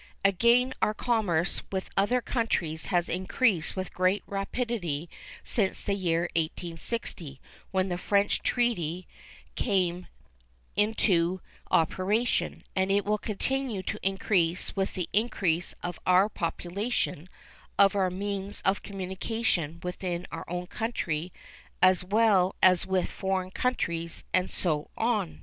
Again, our commerce with other countries has increased with great rapidity since the year 1860, when the French treaty came into operation, and it will continue to increase with the increase of our population, of our means of communication within our own country as well as with foreign countries, and so on.